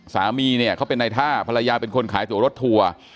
สามีเนี่ยเขาเป็นในท่าภรรยาเป็นคนขายตัวรถทัวร์